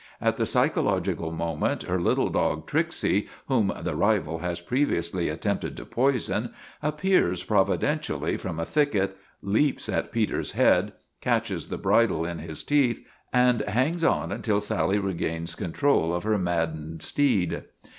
At the psychological moment her little dog Tricksy, whom the rival has previously at TOM SAWYER OF THE MOVIES 277 tempted to poison, appears providentially from a thicket, leaps at Peter's head, catches the bridle in his teeth, and hangs on until Sally regains control of her maddened steed.